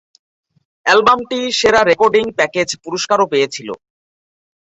অ্যালবামটি সেরা recording package পুরস্কারও পেয়েছিল।